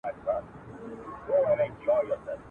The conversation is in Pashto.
او پیسې به را رواني وي پرېماني !.